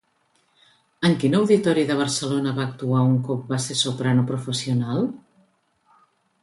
En quin auditori de Barcelona va actuar un cop va ser soprano professional?